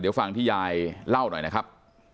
เดี๋ยวฟังที่ยายเล่าหน่อยนะครับ